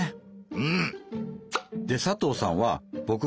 うん。